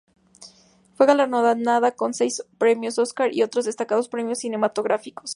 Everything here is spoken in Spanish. Fue galardonada con seis Premio Oscar y otros destacados premios cinematográficos.